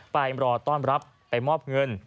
ไปรอต้อนรับไปมอบเงิน